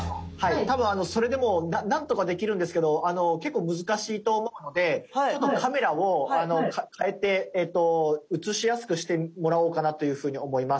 多分それでも何とかできるんですけど結構難しいと思うのでちょっとカメラを替えて映しやすくしてもらおうかなというふうに思います。